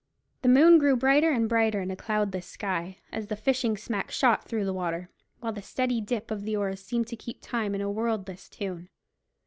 The moon grew brighter and brighter in a cloudless sky, as the fishing smack shot through the water, while the steady dip of the oars seemed to keep time to a wordless tune.